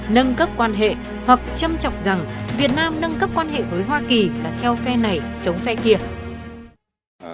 nâng cấp quan hệ hoặc châm trọc rằng việt nam nâng cấp quan hệ với hoa kỳ là theo phe này chống phe kia